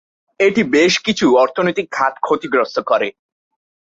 এটি বেশ কিছু অর্থনৈতিক খাত ক্ষতিগ্রস্ত করে।